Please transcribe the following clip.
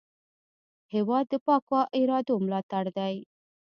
هېواد د پاکو ارادو ملاتړ دی.